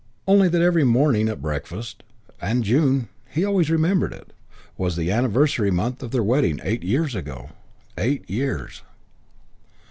Only that very morning at breakfast.... And June he always remembered it was the anniversary month of their wedding.... Eight years ago.... Eight years....